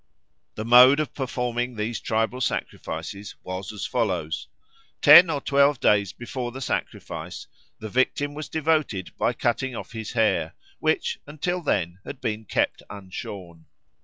The mode of performing these tribal sacrifices was as follows. Ten or twelve days before the sacrifice, the victim was devoted by cutting off his hair, which, until then, had been kept unshorn.